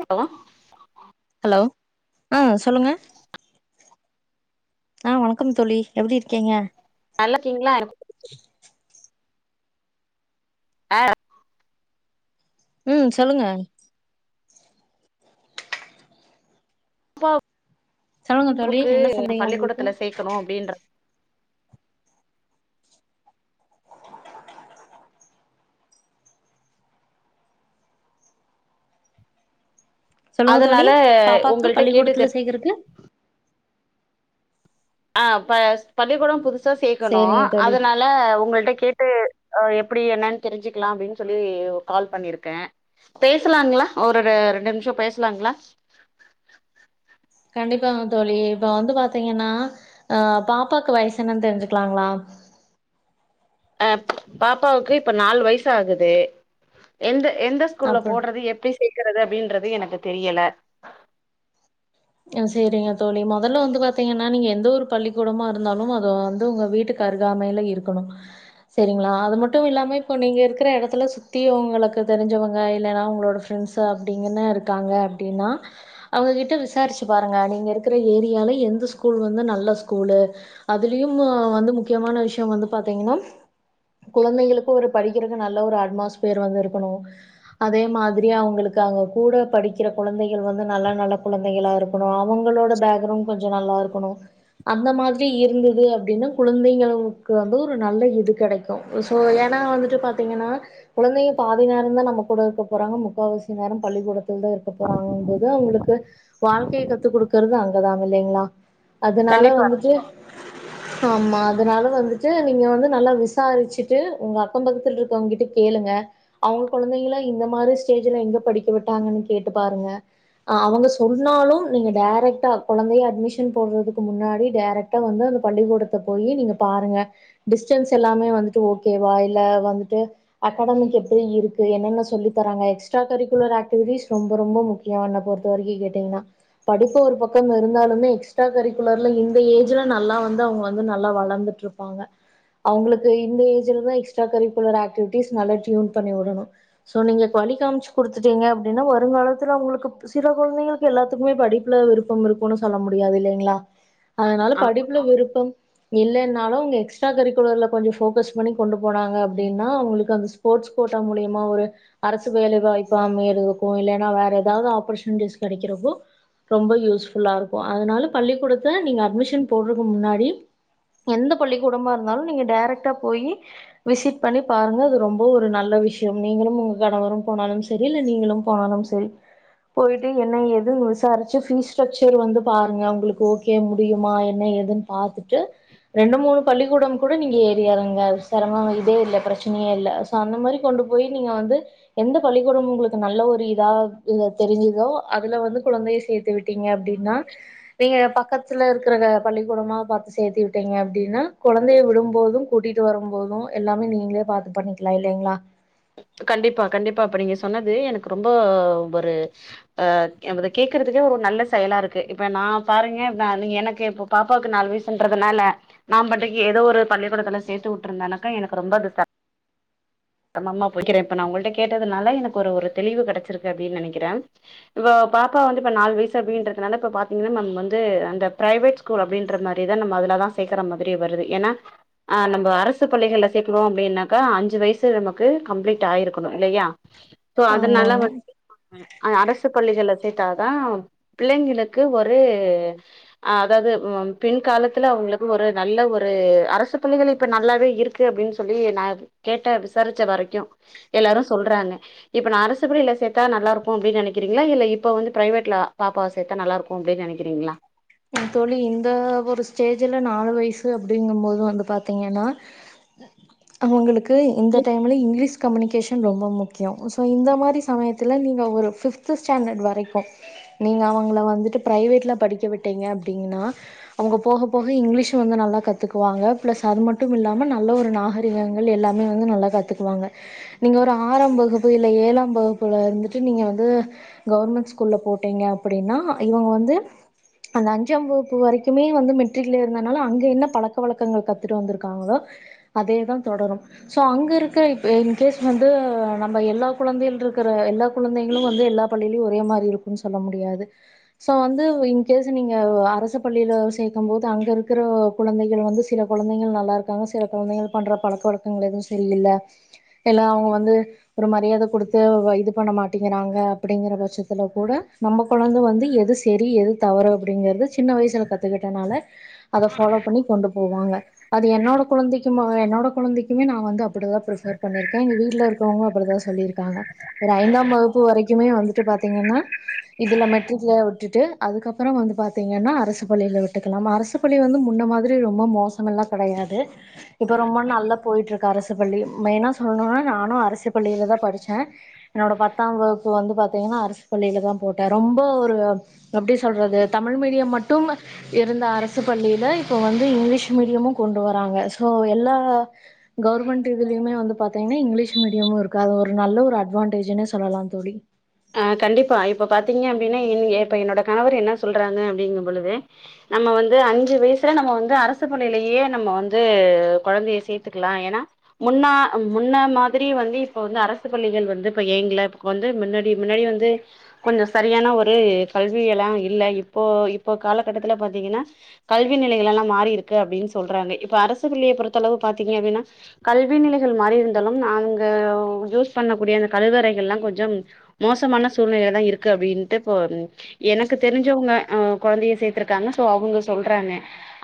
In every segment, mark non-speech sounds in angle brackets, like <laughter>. hello hello ஆ சொல்லுங்க ஆ வணக்கம் தோழி எப்டி இருக்கீங்க நல்லாக்கீங்களா என <inaudible> ஆ ம் சொல்லுங்க அப்பா <inaudible> சொல்லுங்க தோழி க்கு என்ன சந்தேகம் உங்களுக்கு பள்ளிக்கூடத்துல சேக்கணு அப்டின்ற சொல்லுங்க தோழி அதனால பாப்பாக்கு உங்கள்ட்ட கேட்டு பள்ளிக்கூடத்துல தெரிஞ்சு சேக்றகு ஆ ப பள்ளிக்கூட புதுசா சேக்கணு சேரிங்க தோழி அதனா ல உங்கள்ட்ட கேட்டு் எப்டி என்னன்னு தெரிஞ்சுக்கலா அப்டின்னு சொல்லி கால் பண்ணிருக்கே பேசலாங்களா ஒரு ரெண்டு நிமிஷ பேசலாங்களா கண்டிப்பாங்க தோழி இப்ப வந்து பாத்தீங்கன்னா அ பாப்பாக்கு வயசு என்னன்னு தெரிஞ்சுக்கலாங்களா அ பாப்பாவுக்கு இப்ப நாலு வயசு ஆகுது எந்த எந்த ஸ்கூல்ல அப்றோ போடுறது எப்டி சேக்குறது அப்டின்றது எனக்கு தெரியல அ சேரிங்க தோழி மொதல்ல வந்து பாத்தீங்கன்னா நீங்க எந்த ஒரு பள்ளிக்கூடமா இருந்தாலு அத வந்து உங்க வீட்டுக்கு அருகாமையில இருக்கணு செரிங்களா அது மட்டு இல்லாம இப்போ நீங்கள் இருக்குற எடத்துல சுத்தி ஒங்களுக்கு தெரிஞ்சவங்க இல்லன்னா உங்களோட ஃப்ரெண்ட்ஸ் அப்டிங்கனு இருக்காங்க அப்டின்னா அவங்ககிட்ட விசா ரிச்சு பாருங்க நீங்க இருக்குற ஏரியால எந்த ஸ்கூலு வந்து நல்ல ஸ்கூலு அதுலயும் வந்து முக்கியமான விஷய வந்து பாத்தீங்கன்னா குழந்தைங்களுக்கு ஒரு படிக்கிறது நல்ல ஒரு அட்மாஸ்ஃபியர் வந்து இருக்கணு அதே மாதிரி அவுங்களுக்கு அங்க கூட படிக்கிற கொழந்தைகள் வந்து நல்ல நல்ல குழந் தைகளா இருக்கணு அவுங்களோட பேக்ரவுண்ட் கொஞ்ச நல்லா இருக்கணு அந்த மாதிரி இருந்தது அப்டின்னா குழந்தைங்களுக்கு வந்து ஒரு நல்ல இது கெடைக் சோ ஏன்னா வந்துட்டு பாத்தீங்கன்னா குழந்தைங்க பாதி நேர தா நம்ம கூட இருக்கப் போறாங்க முக்காவாசி நேர பள்ளிக்கூடத்தில் தா இருக்க போறாங்கன்பது அவுங்களுக்கு வாழ்க்கைய கத்து குடுக்குறது அங்கதான இல்லைங்களா அதனால கண்டிப்பா வந்துட்டு ஆமா அதனால வந்துட்டு நீங்க வந்து நல்லா விசாரிச்சுட்டு உங்க அக்கம் பக்கத்து இருக்கவங்கிட்ட கேளுங்க அவுங்க கொழந்தைங்கள இந்த மாரி ஸ்டேஜ்ல எங்க படிக்க விட்டாங்கன்னு கேட்டு பாருங்க அ அவங்க ஸ்கூ சொன்னாலு நீங்க டேரக்ட கொழந்தைய அட்மிஷன் போடுறதுக்கு முன்னாடி டேரக்டா வந்து அந்த பள்ளிக்கூடத்து ல போயி நீங்க பாருங்க டிஸ்டன்ஸ் எல்லாமே வந்துட்டு ஓகேவா இல்ல வந்துட்டு அகாடமிக் எப்டி இருக்கு என்னென்ன சொல்லி தராங்க எக்ஸ்ட்ரா கரிக்குலர் ஆக்டிவிட்டிஸ் ரொம்ப ரொம்ப முக்கி கியோ என்ன பொறுத்த வரைக்கு கேட்டீங்கன்னா படிப்பு ஒரு பக்கப் இருந்தாலும்மே எக்ஸ்ட்ரா கரிக்குலர்ல இந்த ஏஜ்ல நல்லா வந்து அவுங்க வந்து நல்லா வளர்ந்துட்டுரு ப்பாங்க அவுங்களுக்கு இந்த ஏஜ்ல தா எக்ஸ்ட்ரா கரிலர் ஆக்டிவிஸ் நல்லா ட்யூன் பண்ணி விடணு சோ நீங்க இப்ப வழி காமிச்சு குடுத்துட்டீங்க அப்டின்னா வருங்காலத்துல உங்களுக்கு சில குழந்தைங்க எல்லாத்துக்குமே படிப்புல விருப்பம் இருக்குன்னு சொல்ல முடியாது இல்லைங்களா அதனால ஆ படிப்புல விருப்பம் இல்லன்னாலு அவுங்க எக்ஸ்ட்ரா கரிக்குலர்ல கொஞ்ச ஃபோக்கஸ் பண்ணி கொண்டு போனாங்க அப்டின்னா அவுங்களுக்கு அந்த ஸ்போர்ட்ஸ் கோட்டா மூலியமா ஒரு அரசு வேலைவாய்ப்பு அமையறதுக்கு இல்லைன்னா வேற எதாவது ஆப்பர்ச்சுனிட்டிஸ் கிடைக்கிறப்போ ரொம்ப யூஸ்ஃபுல்லா இருக்கு அதனால பள்ளிக்கூடத்த நீங்க அட்மிஷன் போடுறக்கு முன்னாடி எந்த பள்ளிக்கூடமா இருந்தாலு நீங்க டைரெக்ட்டா போய் விசிட் பண்ணி பாருங்க அது ரொம்ப ஒரு நல்ல விஷயம் நீங்களும் உங்க கணவரும் போனாலும் சரி இல்ல நீங்களும் போனாலும் சரி போயிட்டு என்ன ஏதுன்னு விசாரிச்சு ஃபீஸ் ஸ்ட்ரக்சர் வந்து பாருங்க உங்களுக்கு ஓகே முடியுமா என்ன ஏதுன்னு பாத்துட்டு ரெண்டு மூணு பள்ளிக்கூடம் கூட நீங்க ஏறி இறங்குங்க சிரமமே இல்ல இதே இல்ல பிரச்சனையே இல்ல அந்த மாரி கொண்டு போய் நீங்க வந்து எந்த பள்ளிக்கூடம் உங்களுக்கு நல்ல ஒரு இதா தெரிஞ்சு அதுல வந்து குழந்தைய சேத்து விட்டீங்க அப்டின்னா நீங்க பக்கத்துல இருக்கிற பள்ளிக்கூடமா பாத்து சேத்து விட்டீங்க அப்டின்னா குழந்தைய விடும்போதும் கூட்டிட்டு வரும்போது எல்லாமே நீங்களே பாார்த்து பண்ணிக்கலா இல்லைங்களா கண்டிப்பா கண்டிப்பா இப்ப நீங்க சொன்னது எனக்கு ரொம்ப ஒரு ஆ அது கேக்குறதுக்கே ஒரு நல்ல செயலா இருக்கு இப்ப நா பாருங்க நீ எனக்கு பாப்பாவுக்கு நாலு வயசுன்றதுனால நான் பாட்டுக்கு ஏதோ ஒரு பள்ளிக்கூடத்துல சேத்து விட்டுருந்தனக்கா எனக்கு ரொம்ப அது நம்ம அம்மா போய்க்கிறே இப்ப நா உங்கள்ட்ட கேட்டதுனால எனக்கு ஒரு தெளிவு கிடைச்சிருக்கு அப்படின்னு நினைக்கிறே இப்போ பாப்பா வந்து இப்ப நாலு வயசு அப்படின்றதுனால இப்ப பாத்தீங்கன்னா நாம வந்து அந்த பிரைவேட் ஸ் கூல் அப்டின்ற மாரிதா நம்ம அதுலதா சேக்கர மாரி வருது ஏன்னா ஆ நம்ம அரசு பள்ளிகளை சேக்குறோ அப்டின்னாக்க அஞ்சு வயசு நமக்கு கம்ப்ளீட் ஆயிருக்கணு இல்லையா சோ அதனால ஆமாங்க வந் அரசு பள்ளிகள்ல சேத்தாதா பிள்ளைகளுக்கு ஒரு அ அதாவது பின் காலத்துல அவுங்களுக்கு ஒரு நல்ல ஒரு அரசு பள்ளிகள் இப்ப நல்லாவே இருக்கு அப்டின்னு சொல்லி நா கேட்ட விசாரிச்ச வரைக்கு எல்லாரு சொல்றாங்க இப்ப நா அரசு பள்ளியில சேத்தா நல்லா இருக்கும் அப்டினு நினைக்கிறீங்களா இல்ல இப்ப வந்து பிரைவேட்ல பாப்பாவ சேத்தா நல்லா இருக் கு அப்டின்னு நினைக்கிறீங்களா என் தோழி இந்த ஒரு ஸ்டேஜில நாலு வயசு அப்படிங்கும் போது வந்து பாத்தீங்கன்னா அவுங்களுக்கு இந்த டைம்ல இங்கிலீஷ் கம்யூனிகேஷன் ரொம்ப முக்கியோ சோ இந்த மாரி சமயத்தில நீங்க ஒரு ஃபிஃப்து ஸ்டாண்டர்ட் வரைக்கு நீங்க அவுங்கள வந்துட்டு பிரைவேட்ல படிக்க விட்டீங்க அப்டிங்கனா அவுங்க போக போக இங்கிலீஷு வந்து நல்லா கத்துக்குவாங்க பிளஸ் அது மட்டும் இல்லாம நல்ல ஒரு நாக ரீகங்கள் எல்லாமே வந்து நல்லா கத்துக்குவாங்க நீங்க ஒரு ஆறாம் வகுப்பு இல்ல ஏழாம் வகுப்புல வந்துட்டு நீங்க வந்து கவர்மெண்ட் ஸ்கூல்ல போட்டீங்க அப்படின்னா இவுங்க வந்து அந்த அஞ்சாம் வகுப்பு வரைக்குமே வந்து மெட்ரிக்ல இருந்தனால அங்க என்ன பழக்க வழக்கங்கள் கத்துட்டு வந்திருக்காங்களோ அதேதா தொடரும் சோ அங்க இருக்குற இப் இன்கேஸ் வந்து நம்ம எல்லா குழந்தைகள் இருக்குற எல்லா குழந்தைங்களு வந்து எல்லா பள்ளியிலு ஒரே மாரி இருக்குன்னு சொல்ல முடியாது சோ வந்து இங் நீங்க அரசு பள்ளியில சேர்க்கும் போது அங்க இருக்கிற குழந்தைகள் வந்து சில குழந்தைகள் நல்லா இருக்கும் க்க சில குழந்தைகள் பண்ற பழக்கவழக்கங்கள் எதுவும் சரியில்ல எல்லா அவங்க வந்து ஒரு மரியாதை கொடுத்து இது பண்ண மாட்டேங்கறாங்க அப்படிங்கிற பட்சத்துல கூட நம்ம கொழந்தை வந்து எது சரி எது தவறு அப்படிங்கிறது சின்ன வயசுல கத்துக்கிட்டதனால அதை பாலோ கொண்டு போவான் அது என்னோட கொழந்தைக்கும் என்னோட கொழந்தைக்குமே நான் வந்து அப்படிதான் பிபர் பண்ணிருக்கேன் எங்க வீட்டுல இருக்கவங்க அப்படிதான் சொல்லியிருக்காங்க ஒரு ஐந்தாம் வகுப்பு வரைக்குமே வந்துட்டு பாத்தீங்கன்னா இதுல மெட்ரிக்ல வுட்டுட்டு அதுக்கப்புறம் வந்து பார்த்தீங்கன்னா அரசு பள்ளியில விட்டுக்கலாம் அரசு பள்ளி வந்து முன்ன மாதிரி ரொம்ப மோசம் அப்படில்லாம் கெடையாது இப்ப ரொம்ப நல்லா போயிட்டு இருக்கு அரசு பள்ளி மெயினா சொல்லணும்னா நானும் அரசு பள்ளியில தான் படிச்சேன் என்னோட பத்தாம் வகுப்பு வந்து பாத்தீங்கன்னா அரசு பள்ளியிலதான் போட்டேன் ரொம்ப ஒரு அப்படி சொல்றது தமிழ் மீடியம் மட்டும் இருந்த அரசு பள்ளியில இப்ப வந்து இங்கிலீஷ் மீடியமும் கொண்டு வராங்க சோ எல்லா கவர்மெண்ட் இதுலயமே வந்து ப பாத்தீங்கன்னா இங்கிலீஷ் மீடியமும் இருக்கு அது ஒரு நல்ல ஒரு அட்வான்டேஜ்ன்னே சொல்லலாம் தோழி அஹ் கண்டிப்பா இப்ப பாத்தீங்க அப்படின்னா இப்ப என்னோட கணவர் என்ன சொல்றாங்க அப்படிங்கும் பொழுது நம்ம வந்து அஞ்சு வயசுல நம்ம வந்து அரசு பள்ளியிலயே நம்ம வந்து கொழந்தைய சேர்த்துக்கலாம் ஏன்னா முன்னா முன்ன மாதிரி வந்து இப்ப வந்து அரசு பள்ளிகள் வந்து இப்ப இயங்கள வந்து முன்னாடி அப்படி முன்னாடி வந்து கொஞ்சம் சரியான ஒரு கல்வியெல்லாம் இல்லை இப்போ இப்போ காலகட்டத்துல பார்த்தீங்கன்னா கல்வி நிலைகள் எல்லாம் மாறியிருக்கு அப்படின்னு சொல்றாங்க இப்ப அரசுப்பள்ளிகளைப் பொறுத்தளவு பார்தீங்க அப்படின்னா கல்வி நிலைகள் மாறி இருந்தாலும் அங்க யூஸ் பண்ணக்கூடிய அந்த கழிவறைகள் எல்லாம் கொஞ்சம் மோசமான சூழ்நிலையில தான் இருக்கு அப்படின்ட்டு இப்ப எனக்கு தெரிஞ்சவங்க அஹ் கொழந்தைய சேர்த்திருக்காங்க சோ அவங்க சொல்றாங்க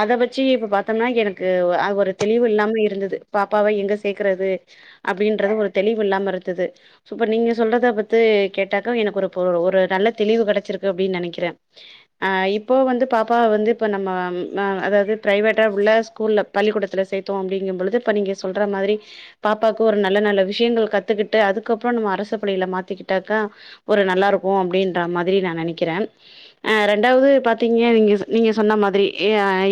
அத வச்சி இப்ப பார்த்தோம்னா எனக்கு ஒரு தெளிவு இல்லாம இருந்தது பாப்பாவை எங்க சேர்க்கறது அப்படின்றது ஒரு தெளிவு இல்லாம இருக்குது இப்ப நீங்க சொல்றத பத்தி கேட்டாக்க எனக்கு ஒரு ஒரு நல்ல தெளிவு கெடைச்சிருக்கு அப்படின்னு நினைக்கிறேன் அ இப்போ வந்து பாப்பாவ வந்து இப்போ நம்ம அதாவது ப்ரை வேட்டா உள்ள ஸ்கூல்ல பள்ளிக்கூடத்தில சேர்த்தோம் அப்படிங்கும் போது இப்ப நீங்க சொல்ற மாதிரி பாப்பாவுக்கு ஒரு நல்ல நல்ல விஷயங்கள் கத்துக்கிட்டு அதுக்கப்புறம் நம்ம அரச பள்ளையில மாத்திக்கிட்டு விட்டாக ஒரு நல்லா இருக்கும் அப்படின்ற மாதிரி நான் நினைக்கிறேன் ரெண்டாவது பார்த்தீங்க நீங்க நீங்க சொன்ன மாதிரி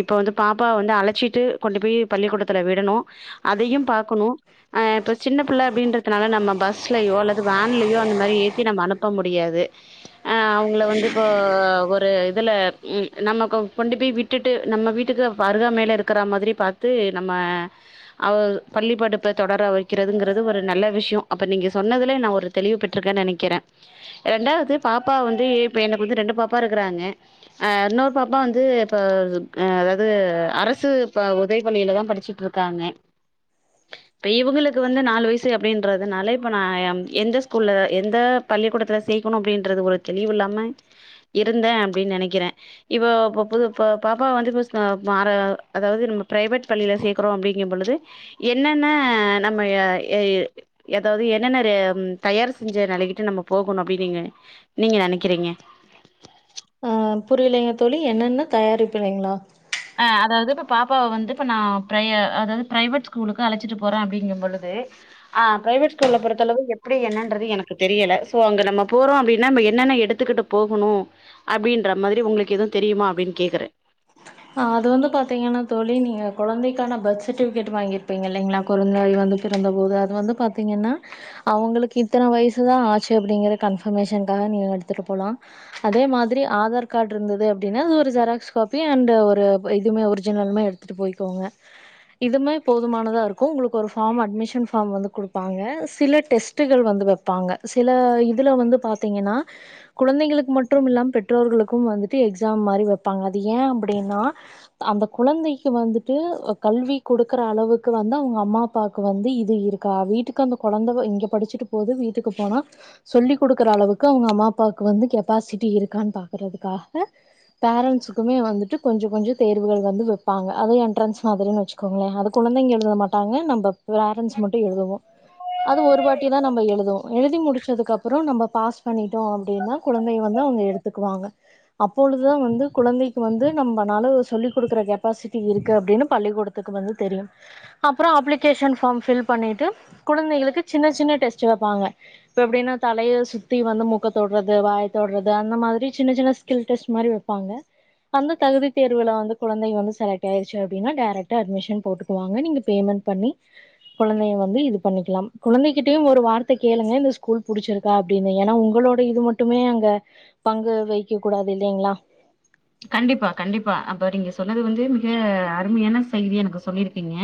இப்போ வந்து பாப்பா வந்து அழைச்சிட்டு கொண்டு போய் பள்ளிக்கூடத்துல விடணும் அதையும் பார்க்கணும் அஹ் இப்ப சின்ன பிள்ளை அப்படின்றதுனால நம்ம பஸ்லயோ அல்லது வேன்லயோ அந்த மாதிரி ஏத்தி நம்ம அனுப்ப முடியாது ஆஹ் அவங்கள வந்து இப்போ ஒரு இதுல நம்ம கொண்டு போய் விட்டு விட்டுட்டு நம்ம வீட்டுக்கு அருகாமையில இருக்கிற மாதிரி பாரத்து நம்ம அவ பள்ளிப்படிப்பை தொடர வைக்கிறதுங்கிறது ஒரு நல்ல விஷயம் அப்போ நீங்கள் சொன்னதிலே நான் ஒரு தெளிவுபட் ட்டுருக்கேன் நினைக்கிறேன் ரெண்டாவது பாப்பா வந்து இப்ப எனக்கு வந்து ரெண்டு பாப்பா இருக்கிறாங்க அ இன்னொரு பாப்பா வந்து இப்போ அதாவது அரசு உதவி பள்ளியில தான் படிச்சு ட்டு இருக்காங்க இப்ப இவங்களுக்கு வந்து நாலு வயசு அப்படின்றதுனால இப்ப நான் எந்த ஸ்கூல்ல எந்த பள்ளிக்கூடத்துல சேர்க்கணும் அப்படின்றது ஒரு தெளிவு இல்லாம இருந்தேன் அப்படின்னு நினைக்கிறேன் இவ ப புது ப பாப்பாவ வந்து ஃபர்ஸ்ட் நா மாற அதாவது நம்ம பிரைவேட் பள்ளியில சேக்குறோ அப்டிங்கம் பொழுது என்னென்ன நம்ம அ அயி எதாவது என்னென்ன ரெ தயார் செஞ்ச நெலைகிட்டு நம்ம போகணு அப்டி நீங்க நீங்க நெனைக்கிறீங்க அ புரியலைங்க தோழி என்னென்ன தயாரிப்புல்லைங்களா ஆ அதாவது இப்ப பாப்பாவ வந்து இப்ப நா பிரைய அதாவது பிரைவேட் ஸ்கூலுக்கு அழச்சிட்டு போறே அப்டிங்கம்பொழுது ஆ பிரைவேட் ஸ்கூல்ல பொறுத்தளவு எப்டி என்னன்றது எனக்கு தெரியல சோ அங்க நம்ம போறோ அப்டின்னா ம என்னென்ன எடுத்துக்கிட்டு போகணூ அப்டின்ற மாதிரி உங்களுக்கு எது தெரியுமா அப்டின் கேக்குறே ஆ அது வந்து பாத்தீங்கனா தோழி நீ குழந்தைக்கான பர்த் சர்டிஃபிகேட் வாங்கிருப்பீங்க இல்லைங்ளா கொழுந்தாய் வந்து பிறந்தபோது அது வந்து பாத்தீங்கன்னா அவங்களுக்கு இத்தன வயசுதா ஆச்சி அப்டிங்கிற கன்ஃபர்மேஷன்க்காக நீங்க எடுத்துட்டு போலா அதே மாதிரி ஆதார் கார்ட்ருந்தது அப்டினா அது ஒரு ஜெராக்ஸ் காப்பி அந்த ஒரு இதுவுமே ஒரிஜினல்மே எடுத்துட்டு போய்க்கோங்க இதுமே போதுமானதா இருக்கு உங்களுக்கு ஒரு ஃபார்ம் அட்மிஷன் ஃபார்ம் வந்து குடுப்பாங்க சில டெஸ் ட்டுகள் வந்து வெப்பாங்க சில இதுல வந்து பாத்தீங்கனா குழந்தைகளுக்கு மற்றும் இல்லாம் பெற்றோர்களுக்கும் வந்துட்டு எக்ஸாம் மாரி வெப்பாங்க அது ஏ அப்டீனா அந்த குழந்தைக்கு வந்துட்டு கல்வி குடுக்குற அளவுக்கு வந்து அவங்க அம்மா அப்பாக்கு வந்து இது இருக் கா வீட்டுக்கு அந்த கொழந்த வ இங்க படிச்சிட்டு போகுது வீட்டுக்கு போனா சொல்லி குடுக்குற அளவுக்கு அவங்க அம்மா அப்பாக்கு வந்து கெப்பாசிட்டி இருக்கான் பாக்குறதுக்காக பேரண்ட்ஸுக்குமே வந்துட்டு கொஞ்சொ கொஞ்சொ தேர்வுகள் வந்து வெப்பாங்க அது என்ட்ரன்ஸ் மாதிரின் வச்சுக்கோங்களே அது குழந்தைங்க எழுத மாட்டாங்க நம்ப விரேரன்ஸ் மட்டு எழுதுவோ அது ஒரு வாட்டி தா நம்ம எழுதுவோ எழுதி முடிச்சதுக்கப்பறோ நம்ம பாஸ் பண்ணிட்டோ அப்டீனா குழந்தைய வந்து அவங்க எடுத்துக்குவாங்க அப்பொழுதுதா வந்து குழந்தைக்கு வந்து நம்மனாலோ சொல்லி குடுக்குற கெப்பாசிட்டி இருக்கு அப்டின்னு பள்ளிக்கூடத்துக்கு வந்து தெரியு அப்றோ அப்ளிகேஷன் ஃபார்ம் ஃபில் பண்ணிட்டு குழந்தைகளுக்கு சின்ன சின்ன டெஸ்ட் வப்பாங்க இப்ப எப்டினா தலைய சுத்தி வந்து முக்க தொடுறது வாய தொடுறது அந்த மாதிரி சின்ன சின்னஸ் கில் டெஸ்ட் மாரி வெப்பாங்க அந்த தகுதி தேர்வுல வந்து குழந்தை வந்து செலக்ட் ஆயிருச்சு அப்டின்னா டேரக்டா அட்மிஷன் போட்டுக்குவாங்க நீங்க பேமெண்ட் பண்ணி குழந்தைய வந்து இது பண்ணிக்கிலாம் குழந்தைகிட்டயும் ஒரு வார்த்த கேளுங்க இந்த ஸ்கூல் புடிச்சிருக் தா அப்டினு ஏனா உங்களோட இது மட்டுமே அங்க பங்கு வைக்க கூடாது இல்லைங்ளா கண்டிப்பா கண்டிப்பா அப்ப நீங்க சொன்னது வந்து மிக அருமையான செய்தி எனக்கு சொல்லிருக்கீங்க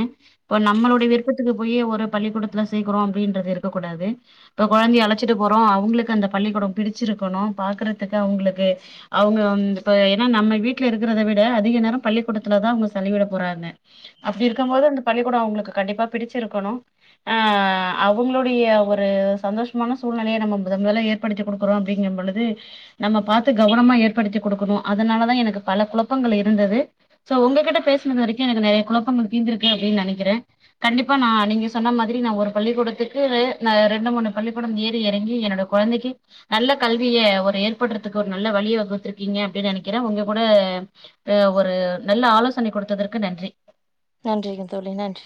இப்ப நம்மளுடை விருப்பத்துக்கு போயி ஒரு பள்ளிக்கூடத்துல சேக்குறோ அப்டின்றது இருக்க கூடாது இப்ப கொழந்தைய அழைச்சிட்டு போறோ அவங்களுக்கு அந்த பள்ளிக்கூடோ பிடிச்சிருக்கணு பாக்குறதுக்கு அவங்களுக்கு அவங்க வந்து இப்ப ஏனா நம்ம வீட்ல இருக்குறத விட அதிக நேரோ பள்ளிக்கூடத்துலதா அவங்க செலவிட போறாங்க அப்டி இருக்கம் போது அந்த பள்ளிக்கூடோ அவங்களுக்கு கண்டிப்பா பிடிச்சிருக்கணு ஆ அவங்களுடைய ஒரு சந்தோஷமான சூழ்நிலைய நம்ம முதன் முதல ஏத் படுத்தி குடுக்குறோ அப்டிங்கம் பொழுது நம்ம பாத்து கவனமா ஏற்படுத்தி குடுக்கணு அதனாலதா எனக்கு பல குழப்பங்கள் இருந்தது சோ உங்ககிட்ட பேசுனது வரைக்கு எனக்கு நெறைய குழப்பங்கள் தீந்துருக்கு அப்டின் நெனைக்கிறே கண்டிப்பா நா நீங்க சொன்ன மாதிரி நா ஒரு பள்ளிக்கூடத்துக்கு நா ரெண்டு மூணு பள்ளிக்கூடம் ஏறி எறங்கி என்னோட கொழந்தைக்கி நல்ல கல்விய ஒரு ஏற்படுறதுக்கு ஒரு நல்ல வழிய வகுத்துருக்கீங்க நெனைக்கிறே உங்க கூட அ ஒரு நல்ல ஆலோசனை குடுத்ததற்கு நன்றி நன்றிங்க தோழி நன்றி